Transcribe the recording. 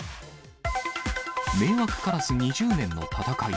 迷惑カラス２０年の戦い。